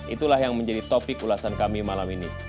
itulah yang menjadi topik ulasan kami malam ini